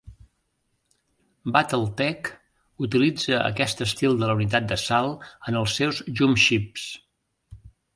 "Battletech" utilitza aquest estil de la unitat de salt en els seus jumpships.